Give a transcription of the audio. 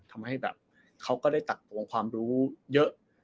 ทำให้แบบเขาก็ได้ตักทวงความรู้เยอะ